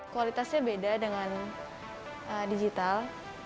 kualitasnya beda dengan digital